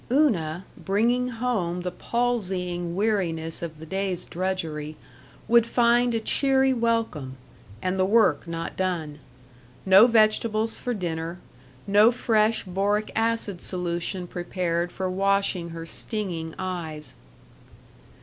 Una, bringing home the palsying weariness of the day's drudgery, would find a cheery welcome and the work not done; no vegetables for dinner, no fresh boric acid solution prepared for washing her stinging eyes.